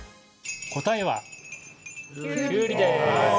答えは、きゅうりです。